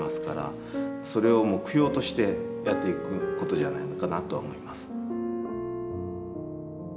それを目標としてやっていくことじゃないのかなとは思います。